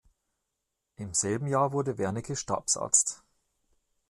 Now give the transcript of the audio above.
Im selben Jahr wurde Wernicke Stabsarzt.